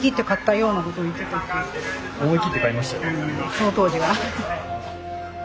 その当時は。